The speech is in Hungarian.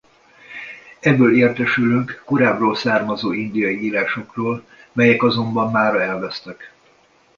Ebből értesülünk korábbról származó indiai írásokról melyek azonban mára elvesztek.